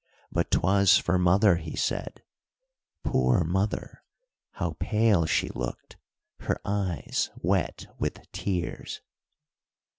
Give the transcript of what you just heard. "But 'twas for mother," he said. "Poor mother, how pale she looked, her eyes wet with tears."